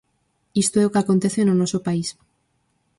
Isto é o que acontece no noso país.